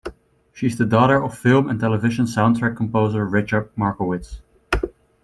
She is the daughter of film and television soundtrack composer Richard Markowitz.